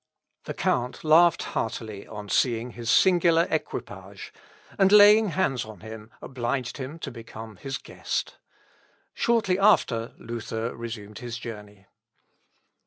The count laughed heartily on seeing his singular equipage; and, laying hands on him, obliged him to become his guest. Shortly after Luther resumed his journey.